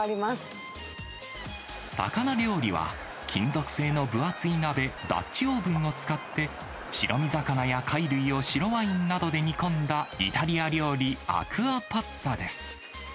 魚料理は、金属製の分厚い鍋、ダッチオーブンを使って、白身魚や貝類を白ワインなどで煮込んだイタリア料理、アクアパッツァです。